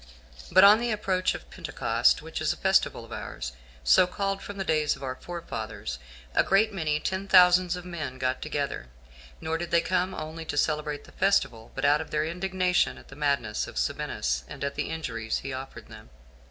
2. But on the approach of pentecost, which is a festival of ours, so called from the days of our forefathers, a great many ten thousands of men got together; nor did they come only to celebrate the festival, but out of their indignation at the madness of Sabinus, and at the injuries he offered them.